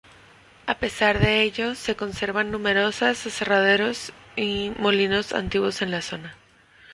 A pesar de ello, se conservan numerosos aserraderos y molinos antiguos en la zona.